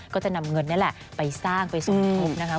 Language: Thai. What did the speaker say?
ก็จะนำเงินนี่แหละไปสร้างไปสมทบนะคะ